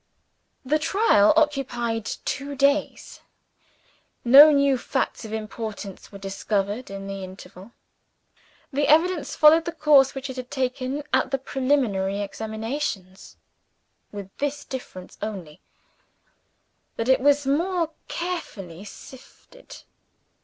The trial occupied two days. No new facts of importance were discovered in the interval. The evidence followed the course which it had taken at the preliminary examinations with this difference only, that it was more carefully sifted.